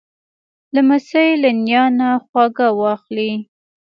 لمسی له نیا نه خواږه واخلې.